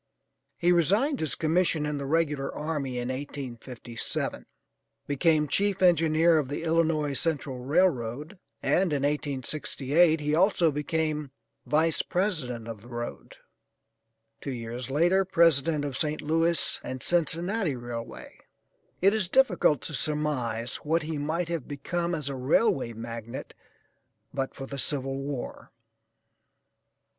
He resigned his commission in the regular army in 1857; became chief engineer of the Illinois Central Railroad, and in 1868 he also became Vice President of the road; two years later, President of St. Louis and Cincinnati Railway. It is difficult to surmise what he might have become as a railway magnate but for the civil war.